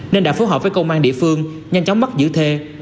nên đã phối hợp với công an địa phương nhanh chóng bắt giữ thê